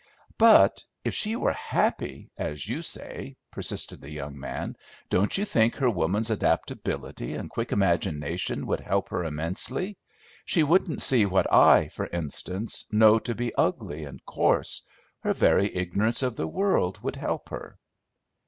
"But if she were happy, as you say," persisted the young man, "don't you think her woman's adaptability and quick imagination would help her immensely? She wouldn't see what I, for instance, know to be ugly and coarse; her very ignorance of the world would help her."